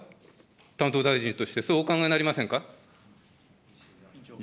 担当大臣として、そうお考えになりませんか。